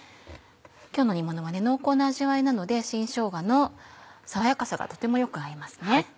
今日の煮ものは濃厚な味わいなので新しょうがの爽やかさがとてもよく合いますね。